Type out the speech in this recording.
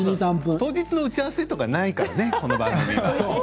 当日の打ち合わせとかないからね、この番組は。